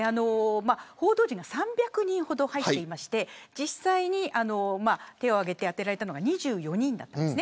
報道陣が３００人ほど入っていて実際に手を挙げて当てられたのが２４人だったんです。